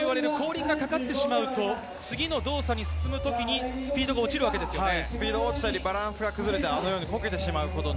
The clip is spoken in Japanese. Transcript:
後輪がかかってしまうと、次の動作に進む時にスピードが落ちるわけですね。